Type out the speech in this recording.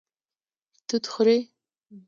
توت خوري